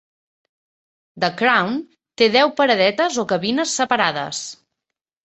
The Crown té deu paradetes o cabines separades.